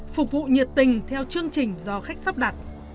phục vụ nhiệt tình theo chương trình do khách lắp đặt